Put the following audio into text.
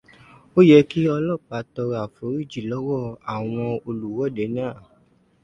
Ó yẹ kí ọlọ́pàá tọrọ àforíjì lọ́wọ́ àwọn olùwọ́de náà.